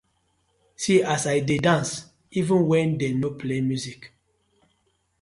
See as I dey dance even wen dem no play music.